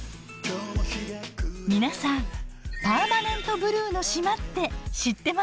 皆さんパーマネントブルーの島って知ってますか？